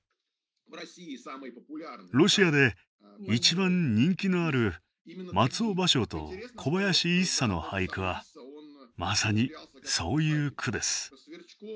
ロシアで一番人気のある松尾芭蕉と小林一茶の俳句はまさにそういう句です。